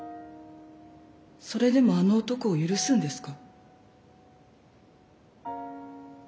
それでもあの男を許すんですか？